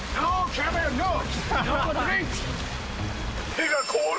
手が凍る。